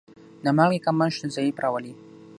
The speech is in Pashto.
د مالګې کمښت ضعف راولي.